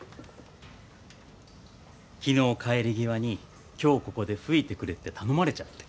昨日帰り際に今日ここで吹いてくれって頼まれちゃって。